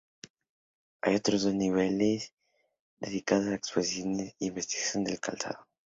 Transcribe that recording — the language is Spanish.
Hay otros dos niveles dedicados a las exposiciones y la investigación del calzado.